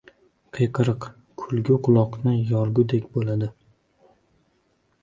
Qiyqiriq, kulgi quloqni yorgudek bo‘ladi.